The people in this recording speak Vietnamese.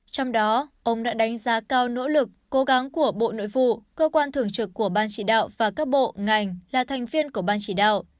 trong đó ông đã đánh giá cao nỗ lực cố gắng của bộ nội vụ cơ quan thường trực của ban chỉ đạo và các bộ ngành là thành viên của ban chỉ đạo